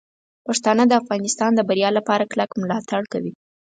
پښتانه د افغانستان د بریا لپاره کلک ملاتړ کوي.